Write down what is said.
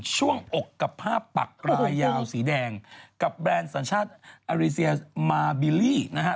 ช่วงอกกับภาพปักรายยาวสีแดงกับแบรนด์สัญชาติอารีเซียมาบิลลี่นะฮะ